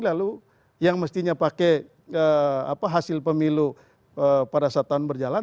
lalu yang mestinya pakai hasil pemilu pada saat tahun berjalan